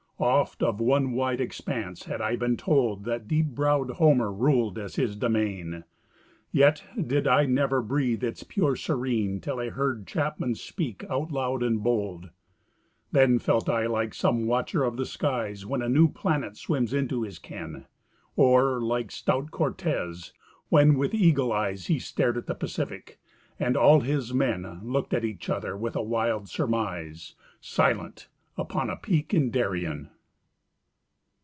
Oft of one wide expanse had I been told That deep brow'd Homer ruled as his demesne: Yet did I never breathe its pure serene Till I heard Chapman speak out loud and bold: Then felt I like some watcher of the skies When a new planet swims into his ken; Or like stout Cortez, when with eagle eyes He stared at the Pacific and all his men Look'd at each other with a wild surmise Silent, upon a peak in Darien.